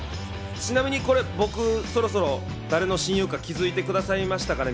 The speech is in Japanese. ちなみに僕、そろそろ誰の親友が気づいてくださいましたかね？